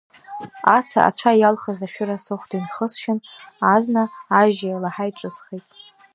Аца ацәа иалхыз ашәыра сыхәда инхысшьын, азна ажьи алаҳаи ҿысхит.